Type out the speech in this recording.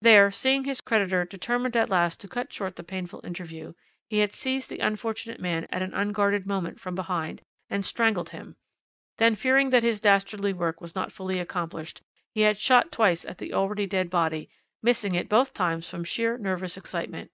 "There, seeing his creditor determined at last to cut short the painful interview, he had seized the unfortunate man at an unguarded moment from behind, and strangled him; then, fearing that his dastardly work was not fully accomplished, he had shot twice at the already dead body, missing it both times from sheer nervous excitement.